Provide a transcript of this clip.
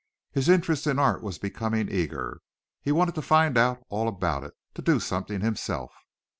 His interest in art was becoming eager. He wanted to find out all about it to do something himself.